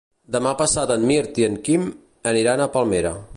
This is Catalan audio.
Demà passat en Mirt i en Quim aniran a Palmera.